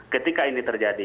ketika ini terjadi